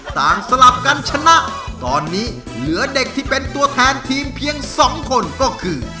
สลับกันชนะตอนนี้เหลือเด็กที่เป็นตัวแทนทีมเพียงสองคนก็คือ